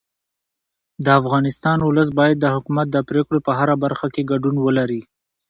د افغانستان ولس باید د حکومت د پرېکړو په هره برخه کې ګډون ولري